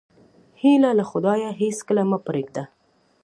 هیله له خدایه هېڅکله مه پرېږده.